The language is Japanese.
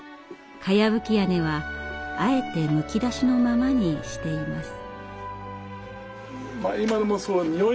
かやぶき屋根はあえてむき出しのままにしています。